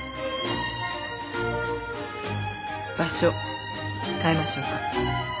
場所変えましょうか。